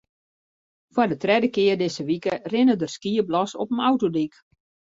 Foar de tredde kear dizze wike rinne der skiep los op in autodyk.